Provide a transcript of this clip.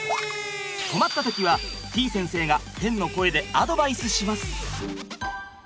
困った時はてぃ先生が天の声でアドバイスします。